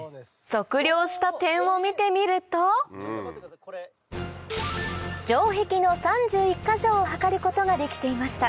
測量した点を見てみるとを測ることができていました